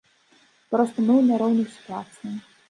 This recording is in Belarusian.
Проста мы ў няроўнай сітуацыі.